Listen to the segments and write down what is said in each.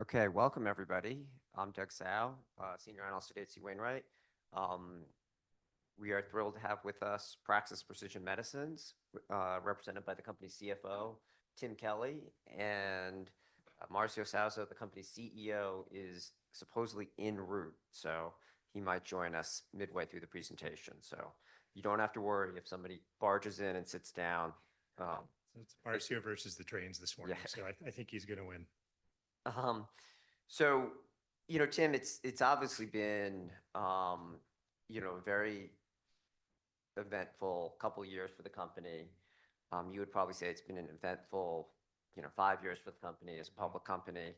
Okay, welcome everybody. I'm Doug Sow, Senior Analyst at A.G.P. /Wainwright. We are thrilled to have with us Praxis Precision Medicines, represented by the company's CFO, Tim Kelly, and Marcio Souza, the company's CEO, is supposedly enroute, so he might join us midway through the presentation. You don't have to worry if somebody barges in and sits down. So it's Marcio versus the trains this morning. I think he's going to win. You know, Tim, it's obviously been, you know, a very eventful couple of years for the company. You would probably say it's been an eventful, you know, five years for the company as a public company.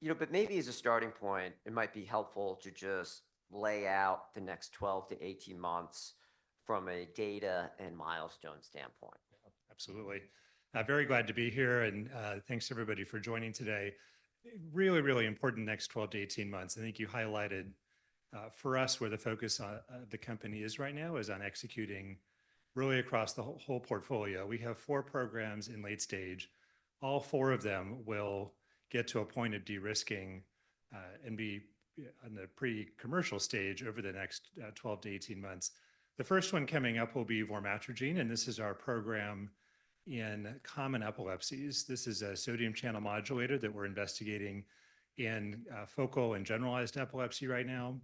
You know, maybe as a starting point, it might be helpful to just lay out the next 12-18 months from a data and milestone standpoint. Absolutely. Very glad to be here. Thanks to everybody for joining today. Really, really important next 12-18 months. I think you highlighted for us where the focus of the company is right now is on executing really across the whole portfolio. We have four programs in late stage. All four of them will get to a point of de-risking and be in the pre-commercial stage over the next 12-18 months. The first one coming up will be Vormatrigine, and this is our program in common epilepsies. This is a sodium channel modulator that we're investigating in focal and generalized epilepsy right now.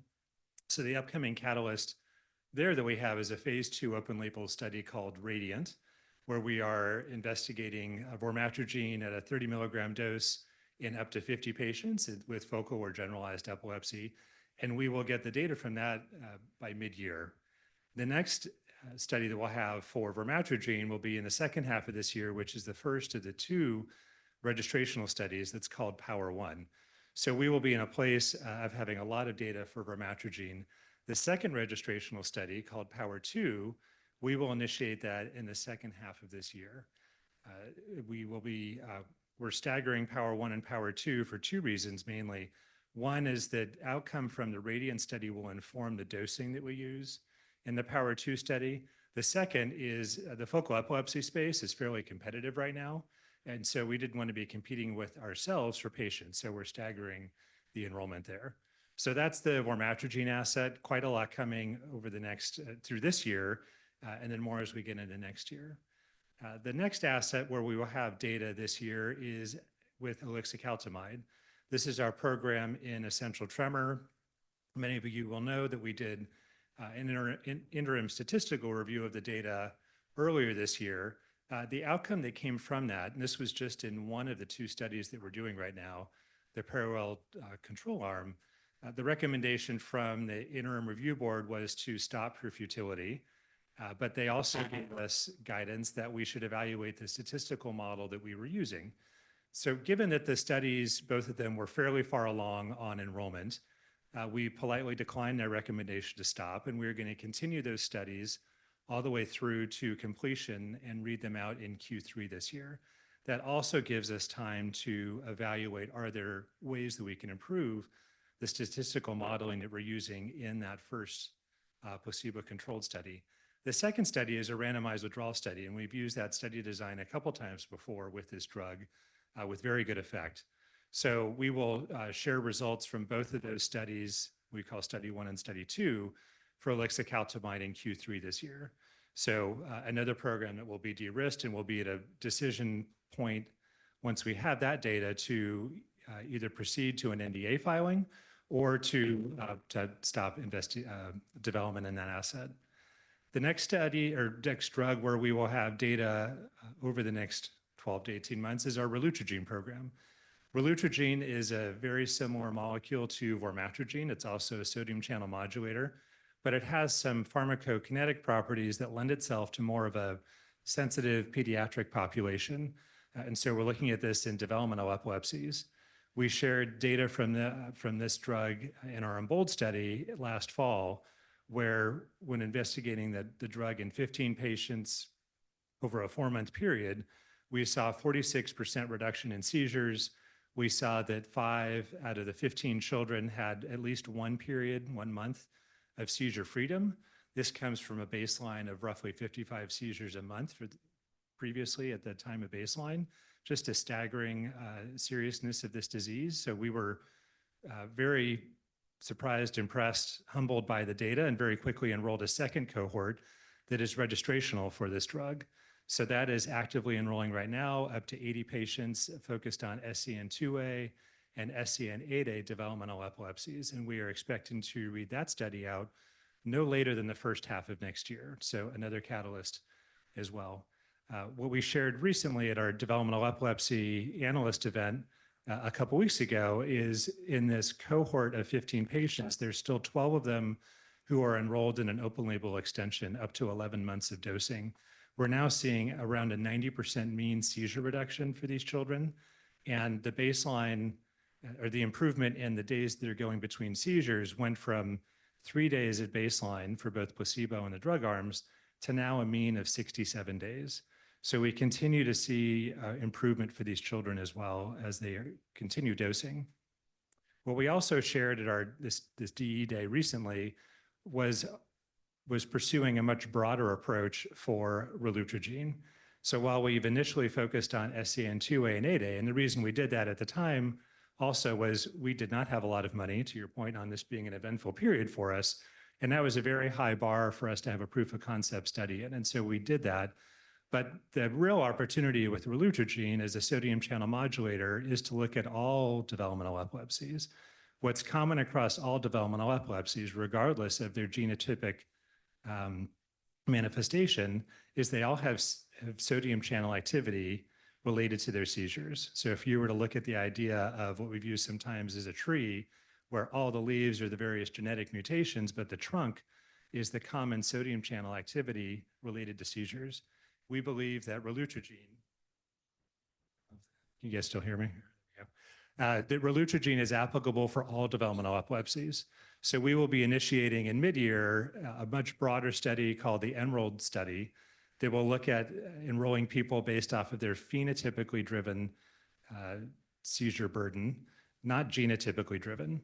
The upcoming catalyst there that we have is a phase II open-label study called Radiant, where we are investigating Vormatrigine at a 30 mg dose in up to 50 patients with focal or generalized epilepsy. We will get the data from that by mid-year. The next study that we'll have for Vormatrigine will be in the second half of this year, which is the first of the two registrational studies that's called Power1. We will be in a place of having a lot of data for Vormatrigine. The second registrational study called Power2, we will initiate that in the second half of this year. We will be staggering POWER1 and Power2 for two reasons, mainly. One is that outcome from the Radiant study will inform the dosing that we use in the Power2 study. The second is the focal epilepsy space is fairly competitive right now. We didn't want to be competing with ourselves for patients. We're staggering the enrollment there. That's the Vormatrigine asset, quite a lot coming over the next through this year, and then more as we get into next year. The next asset where we will have data this year is with Elixir Caltimide. This is our program in essential tremor. Many of you will know that we did an interim statistical review of the data earlier this year. The outcome that came from that, and this was just in one of the two studies that we're doing right now, the parallel control arm, the recommendation from the interim review board was to stop for futility. They also gave us guidance that we should evaluate the statistical model that we were using. Given that the studies, both of them were fairly far along on enrollment, we politely declined their recommendation to stop, and we're going to continue those studies all the way through to completion and read them out in Q3 this year. That also gives us time to evaluate, are there ways that we can improve the statistical modeling that we're using in that first placebo-controlled study? The second study is a randomized withdrawal study, and we've used that study design a couple of times before with this drug with very good effect. We will share results from both of those studies we call study one and study two for Elixir Caltimide in Q3 this year. Another program that will be de-risked and will be at a decision point once we have that data to either proceed to an NDA filing or to stop development in that asset. The next study or next drug where we will have data over the next 12-18 months is our Ralutrogen program. Ralutrogen is a very similar molecule to Vormatrigine. It's also a sodium channel modulator, but it has some pharmacokinetic properties that lend itself to more of a sensitive pediatric population. We are looking at this in developmental epilepsies. We shared data from this drug in our Emerald study last fall, where when investigating the drug in 15 patients over a four-month period, we saw a 46% reduction in seizures. We saw that five out of the 15 children had at least one period, one month of seizure freedom. This comes from a baseline of roughly 55 seizures a month previously at that time of baseline, just a staggering seriousness of this disease. We were very surprised, impressed, humbled by the data, and very quickly enrolled a second cohort that is registrational for this drug. That is actively enrolling right now, up to 80 patients focused on SCN2A and SCN8A developmental epilepsies. We are expecting to read that study out no later than the first half of next year. Another catalyst as well. What we shared recently at our developmental epilepsy analyst event a couple of weeks ago is in this cohort of 15 patients, there are still 12 of them who are enrolled in an open-label extension up to 11 months of dosing. We are now seeing around a 90% mean seizure reduction for these children. The baseline or the improvement in the days that are going between seizures went from three days at baseline for both placebo and the drug arms to now a mean of 67 days. We continue to see improvement for these children as well as they continue dosing. What we also shared at this DE day recently was pursuing a much broader approach for Ralutrogen. While we've initially focused on SCN2A and ADA, and the reason we did that at the time also was we did not have a lot of money, to your point, on this being an eventful period for us. That was a very high bar for us to have a proof of concept study. We did that. The real opportunity with Ralutrogen as a sodium channel modulator is to look at all developmental epilepsies. What's common across all developmental epilepsies, regardless of their genotypic manifestation, is they all have sodium channel activity related to their seizures. If you were to look at the idea of what we've used sometimes as a tree, where all the leaves are the various genetic mutations, but the trunk is the common sodium channel activity related to seizures, we believe that Ralutrogen—can you guys still hear me?—that Ralutrogen is applicable for all developmental epilepsies. We will be initiating in mid-year a much broader study called the Emerald study that will look at enrolling people based off of their phenotypically driven seizure burden, not genotypically driven.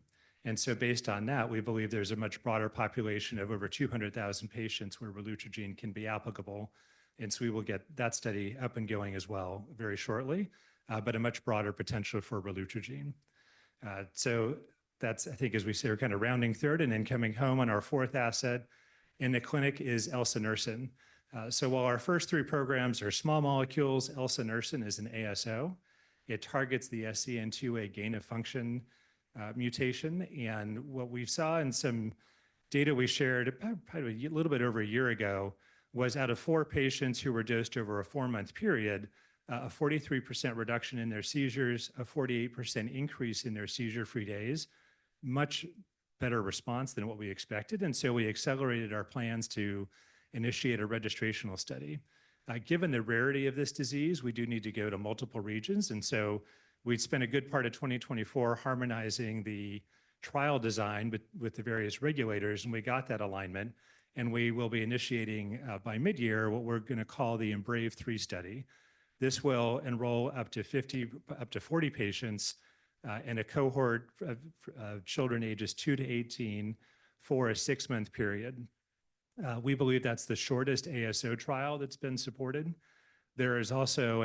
Based on that, we believe there's a much broader population of over 200,000 patients where Ralutrogen can be applicable. We will get that study up and going as well very shortly, but a much broader potential for Ralutrogen. That's, I think, as we say, we're kind of rounding third and then coming home on our fourth asset in the clinic is Elsa Nursen. While our first three programs are small molecules, Elsa Nursen is an ASO. It targets the SCN2A gain of function mutation. What we saw in some data we shared a little bit over a year ago was out of four patients who were dosed over a four-month period, a 43% reduction in their seizures, a 48% increase in their seizure-free days, much better response than what we expected. We accelerated our plans to initiate a registrational study. Given the rarity of this disease, we do need to go to multiple regions. We spent a good part of 2024 harmonizing the trial design with the various regulators, and we got that alignment. We will be initiating by mid-year what we're going to call the EMBRAVE 3 Study. This will enroll up to 40 patients in a cohort of children ages 2-18 for a six-month period. We believe that's the shortest ASO trial that's been supported. There are also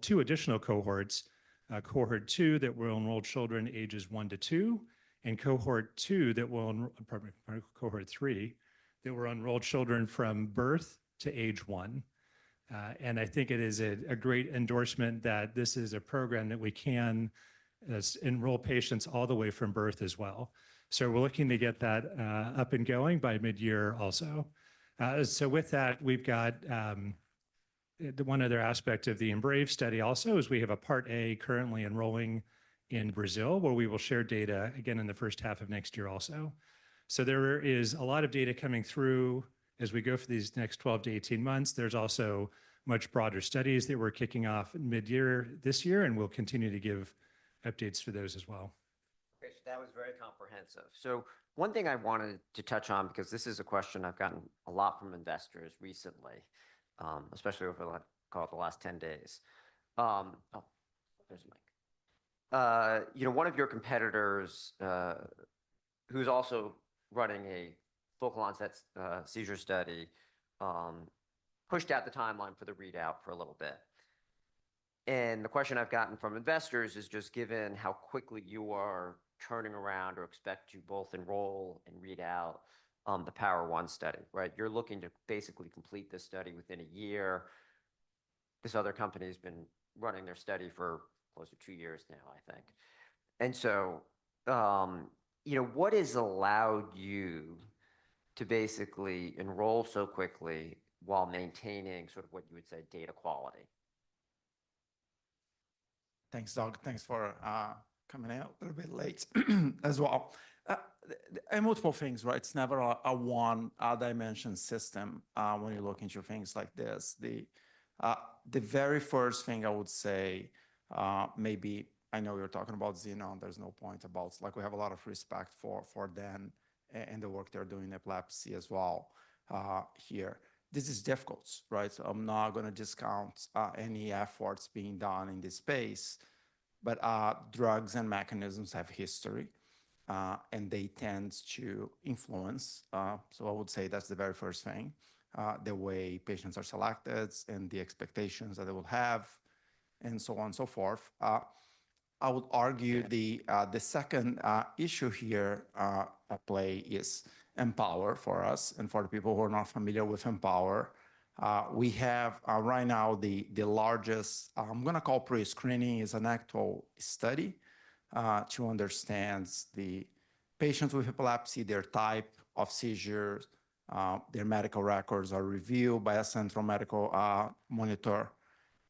two additional cohorts, Cohort 2 that will enroll children ages one to two and Cohort 3 that will enroll children from birth to age one. I think it is a great endorsement that this is a program that we can enroll patients all the way from birth as well. We're looking to get that up and going by mid-year also. With that, we've got one other aspect of the EMBRAVE Study also is we have a Part A currently enrolling in Brazil where we will share data again in the first half of next year also. There is a lot of data coming through as we go for these next 12-18 months. There's also much broader studies that we're kicking off mid-year this year, and we'll continue to give updates for those as well. Okay, so that was very comprehensive. One thing I wanted to touch on, because this is a question I've gotten a lot from investors recently, especially over the last 10 days. Oh, there's a mic. You know, one of your competitors who's also running a focal onset seizure study pushed out the timeline for the readout for a little bit. The question I've gotten from investors is just given how quickly you are turning around or expect to both enroll and read out the POWER1 study, right? You're looking to basically complete this study within a year. This other company has been running their study for close to two years now, I think. What has allowed you to basically enroll so quickly while maintaining sort of what you would say data quality? Thanks, Doug. Thanks for coming out a little bit late as well. Multiple things, right? It's never a one-dimensional system when you look into things like this. The very first thing I would say, maybe I know you're talking about Xenon. There's no point about, like, we have a lot of respect for them and the work they're doing in epilepsy as well here. This is difficult, right? I'm not going to discount any efforts being done in this space, but drugs and mechanisms have history, and they tend to influence. I would say that's the very first thing, the way patients are selected and the expectations that they will have and so on and so forth. I would argue the second issue here at play is Empower for us. For the people who are not familiar with Empower, we have right now the largest, I'm going to call pre-screening, it is an actual study to understand the patients with epilepsy, their type of seizures, their medical records are reviewed by a central medical monitor.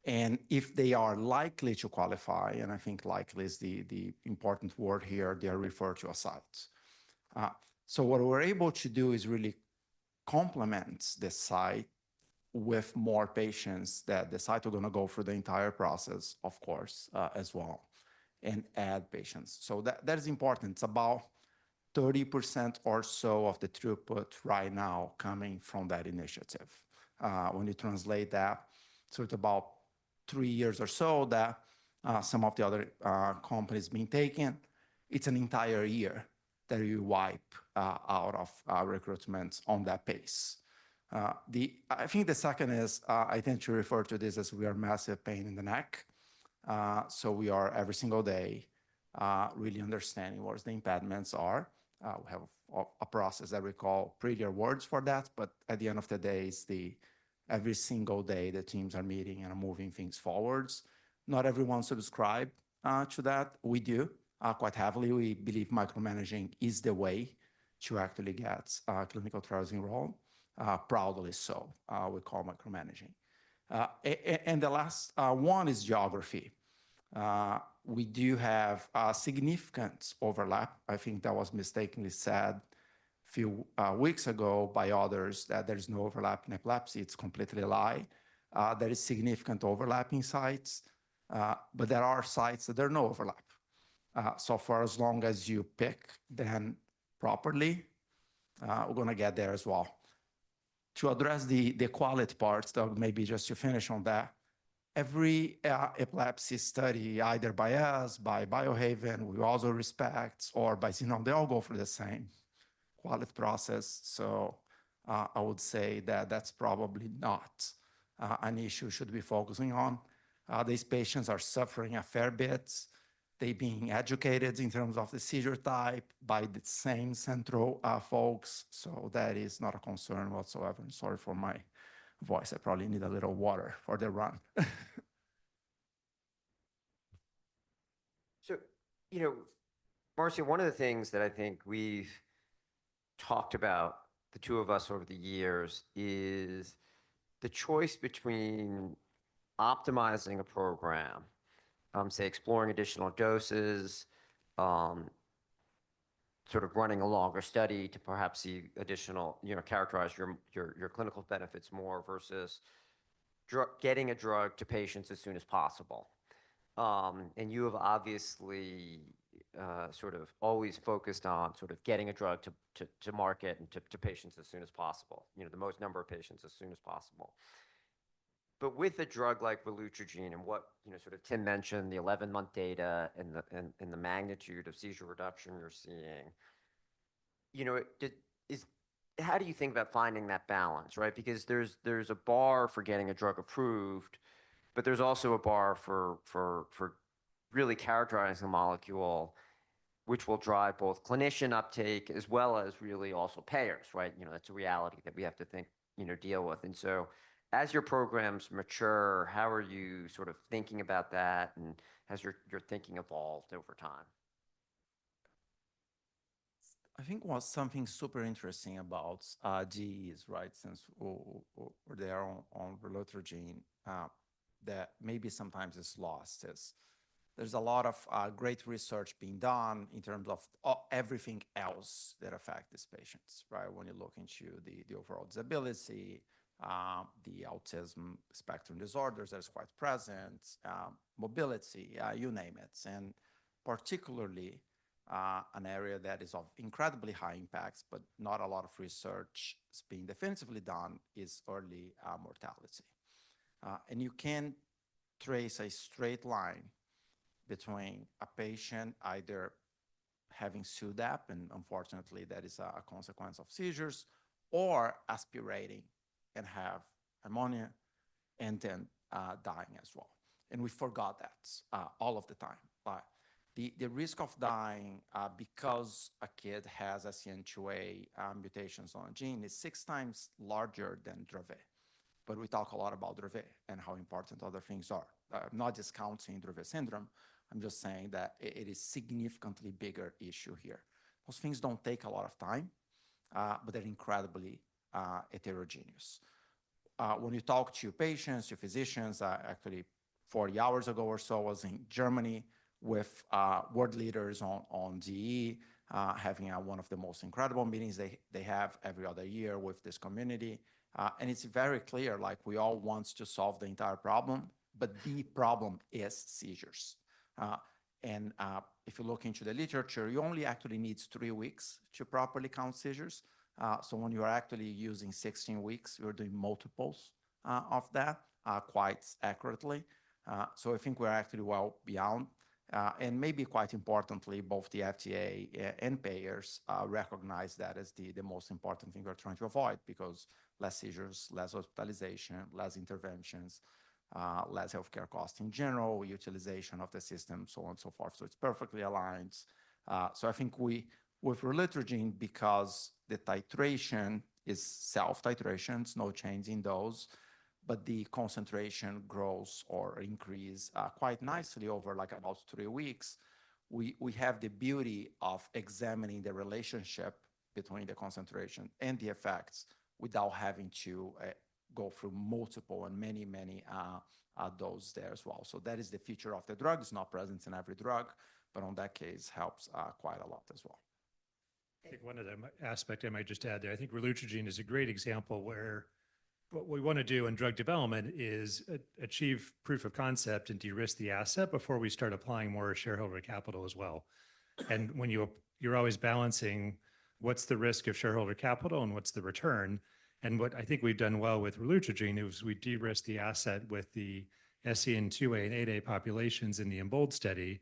If they are likely to qualify, and I think likely is the important word here, they are referred to a site. What we are able to do is really complement the site with more patients that the site are going to go through the entire process, of course, as well, and add patients. That is important. It is about 30% or so of the throughput right now coming from that initiative. When you translate that, it is about three years or so that some of the other companies have been taking, it is an entire year that you wipe out of recruitments on that pace. I think the second is I tend to refer to this as we are a massive pain in the neck. We are every single day really understanding what the impediments are. We have a process that we call preview awards for that. At the end of the day, it's every single day the teams are meeting and are moving things forwards. Not everyone subscribes to that. We do quite heavily. We believe micromanaging is the way to actually get clinical trials enrolled. Proudly so, we call it micromanaging. The last one is geography. We do have significant overlap. I think that was mistakenly said a few weeks ago by others that there's no overlap in epilepsy. It's completely a lie. There is significant overlap in sites, but there are sites that there is no overlap. For as long as you pick them properly, we're going to get there as well. To address the quality parts, Doug, maybe just to finish on that, every epilepsy study, either by us, by Biohaven, we also respect, or by Xenon, they all go for the same quality process. I would say that that's probably not an issue we should be focusing on. These patients are suffering a fair bit. They're being educated in terms of the seizure type by the same central folks. That is not a concern whatsoever. Sorry for my voice. I probably need a little water for the run. You know, Marcio, one of the things that I think we've talked about, the two of us over the years, is the choice between optimizing a program, say, exploring additional doses, sort of running a longer study to perhaps see additional, you know, characterize your clinical benefits more versus getting a drug to patients as soon as possible. You have obviously sort of always focused on sort of getting a drug to market and to patients as soon as possible, you know, the most number of patients as soon as possible. With a drug like Ralutrogen and what, you know, sort of Tim mentioned, the 11-month data and the magnitude of seizure reduction you're seeing, you know, how do you think about finding that balance, right? Because there's a bar for getting a drug approved, but there's also a bar for really characterizing a molecule which will drive both clinician uptake as well as really also payers, right? You know, that's a reality that we have to think, you know, deal with. As your programs mature, how are you sort of thinking about that? Has your thinking evolved over time? I think what's something super interesting about GEs, right, since they are on Ralutrogen, that maybe sometimes it's lost. There's a lot of great research being done in terms of everything else that affects these patients, right? When you look into the overall disability, the autism spectrum disorders that are quite present, mobility, you name it. Particularly an area that is of incredibly high impact, but not a lot of research is being definitively done, is early mortality. You can't trace a straight line between a patient either having pseudapp, and unfortunately, that is a consequence of seizures, or aspirating and have pneumonia and then dying as well. We forgot that all of the time. The risk of dying because a kid has a SCN2A mutation on a gene is six times larger than Dravet. We talk a lot about Dravet and how important other things are. I'm not discounting Dravet syndrome. I'm just saying that it is a significantly bigger issue here. Those things do not take a lot of time, but they are incredibly heterogeneous. When you talk to your patients, your physicians, actually 40 hours ago or so, I was in Germany with world leaders on GE, having one of the most incredible meetings they have every other year with this community. It is very clear, like, we all want to solve the entire problem, but the problem is seizures. If you look into the literature, you only actually need three weeks to properly count seizures. When you are actually using 16 weeks, you are doing multiples of that quite accurately. I think we are actually well beyond. Maybe quite importantly, both the FDA and payers recognize that as the most important thing we're trying to avoid because less seizures, less hospitalization, less interventions, less healthcare costs in general, utilization of the system, so on and so forth. It's perfectly aligned. I think with Ralutrogen, because the titration is self-titration, it's no change in dose, but the concentration grows or increases quite nicely over about three weeks, we have the beauty of examining the relationship between the concentration and the effects without having to go through multiple and many, many doses there as well. That is the feature of the drug. It's not present in every drug, but in that case, it helps quite a lot as well. I think one other aspect I might just add there, I think Ralutrogen is a great example where what we want to do in drug development is achieve proof of concept and de-risk the asset before we start applying more shareholder capital as well. When you're always balancing what's the risk of shareholder capital and what's the return, what I think we've done well with Ralutrogen is we de-risk the asset with the SCN2A and SCN8A populations in the Emerald study.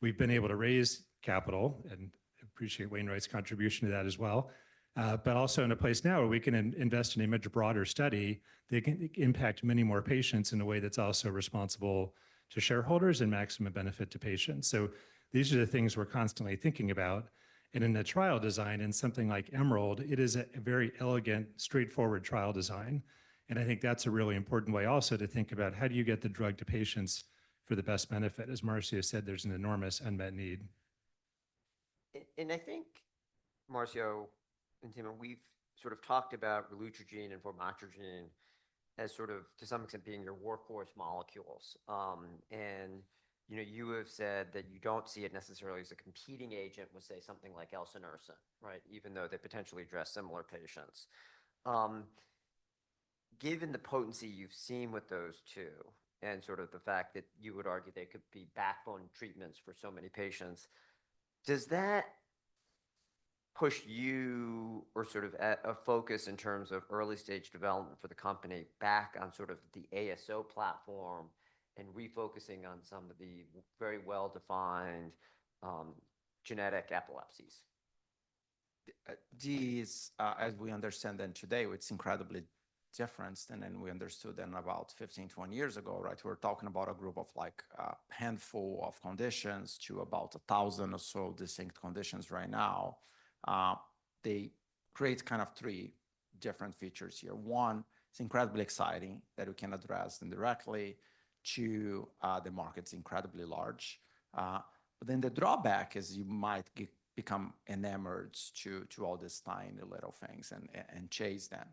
We've been able to raise capital and appreciate Wayne Wright's contribution to that as well, but also in a place now where we can invest in a much broader study that can impact many more patients in a way that's also responsible to shareholders and maximum benefit to patients. These are the things we're constantly thinking about. In the trial design and something like Emerald, it is a very elegant, straightforward trial design. I think that's a really important way also to think about how do you get the drug to patients for the best benefit. As Marcio said, there's an enormous unmet need. I think, Marcio and Tim, we've sort of talked about Ralutrogen and Vormatrigine as sort of, to some extent, being your workhorse molecules. You know, you have said that you don't see it necessarily as a competing agent with, say, something like Elsa Nursen, right? Even though they potentially address similar patients. Given the potency you've seen with those two and sort of the fact that you would argue they could be backbone treatments for so many patients, does that push you or sort of a focus in terms of early stage development for the company back on sort of the ASO platform and refocusing on some of the very well-defined genetic epilepsies? GEs, as we understand them today, it's incredibly different than we understood them about 15 years, 20 years ago, right? We're talking about a group of like a handful of conditions to about a thousand or so distinct conditions right now. They create kind of three different features here. One, it's incredibly exciting that we can address them directly, the market's incredibly large. The drawback is you might become enamored to all these tiny little things and chase them.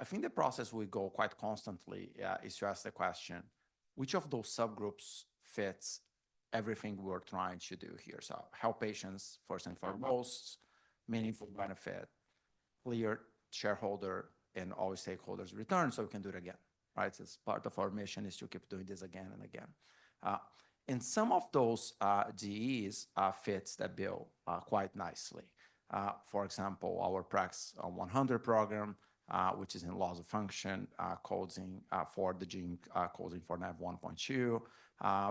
I think the process we go quite constantly is to ask the question, which of those subgroups fits everything we're trying to do here? Health patients, first and foremost, meaningful benefit, clear shareholder and always stakeholders' return so we can do it again, right? It's part of our mission is to keep doing this again and again. Some of those GEs fit that bill quite nicely. For example, our Praxis 100 program, which is in loss of function, causing for the gene causing for NAV1.2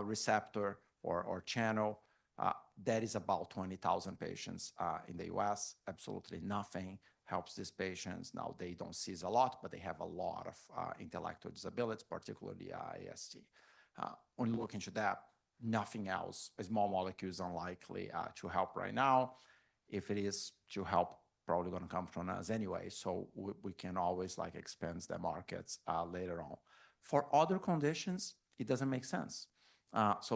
receptor or channel, that is about 20,000 patients in the U.S. Absolutely nothing helps these patients. Now, they do not seize a lot, but they have a lot of intellectual disabilities, particularly ASD. When you look into that, nothing else, small molecules unlikely to help right now. If it is to help, probably going to come from us anyway. We can always like expense the markets later on. For other conditions, it does not make sense.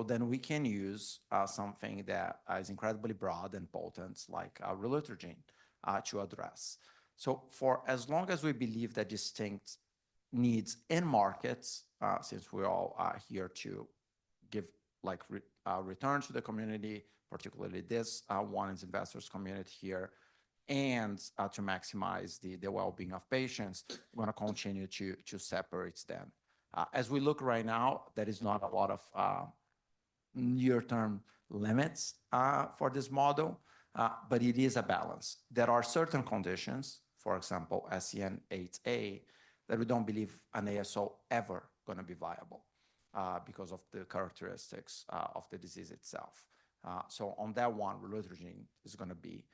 We can use something that is incredibly broad and potent, like Ralutrogen, to address. For as long as we believe that distinct needs and markets, since we all are here to give like returns to the community, particularly this one is investors' community here, and to maximize the well-being of patients, we're going to continue to separate them. As we look right now, there is not a lot of near-term limits for this model, but it is a balance. There are certain conditions, for example, SCN8A, that we don't believe an ASO is ever going to be viable because of the characteristics of the disease itself. On that one, Ralutrogen is going to be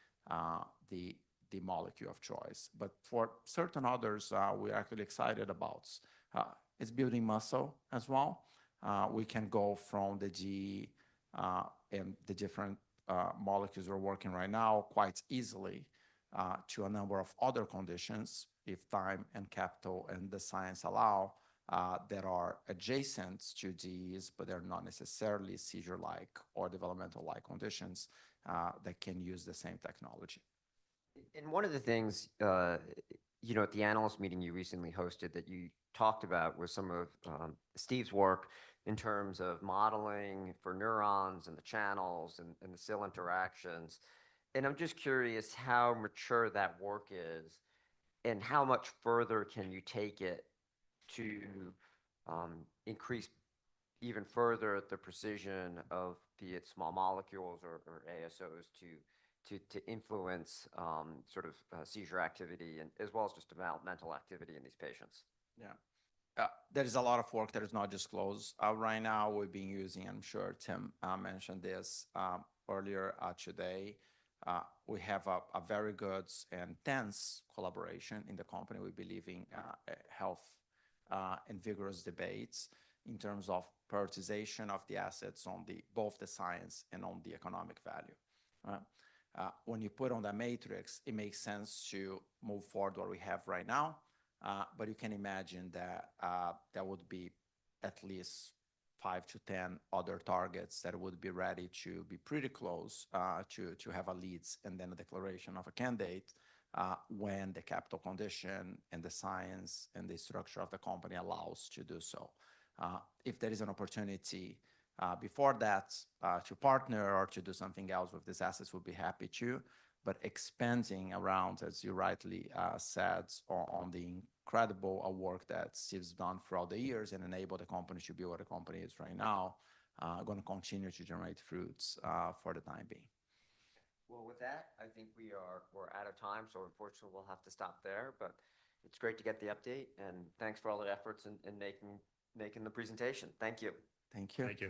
the molecule of choice. For certain others, we're actually excited about it's building muscle as well. We can go from the GE and the different molecules we're working right now quite easily to a number of other conditions if time and capital and the science allow that are adjacent to GEs, but they're not necessarily seizure-like or developmental-like conditions that can use the same technology. One of the things, you know, at the analyst meeting you recently hosted that you talked about was some of Steve's work in terms of modeling for neurons and the channels and the cell interactions. I'm just curious how mature that work is and how much further can you take it to increase even further the precision of the small molecules or ASOs to influence sort of seizure activity and as well as just developmental activity in these patients. Yeah. There is a lot of work that is not disclosed right now. We've been using, I'm sure Tim mentioned this earlier today. We have a very good and tense collaboration in the company. We believe in health and vigorous debates in terms of prioritization of the assets on both the science and on the economic value. When you put on the matrix, it makes sense to move forward to what we have right now. You can imagine that there would be at least five-10 other targets that would be ready to be pretty close to have leads and then a declaration of a candidate when the capital condition and the science and the structure of the company allows to do so. If there is an opportunity before that to partner or to do something else with these assets, we'd be happy to. Expanding around, as you rightly said, on the incredible work that Steve's done throughout the years and enabled the company to be where the company is right now, going to continue to generate fruits for the time being. With that I think we are out of time. Unfortunately, we'll have to stop there. It is great to get the update. Thanks for all the efforts in making the presentation. Thank you. Thank you.